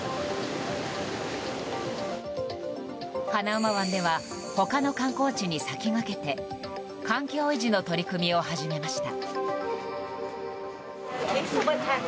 ハナウマ湾では他の観光地に先駆けて環境維持の取り組みを始めました。